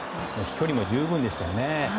飛距離も十分でしたね。